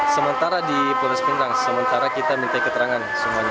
sementara di polres pinang sementara kita minta keterangan semuanya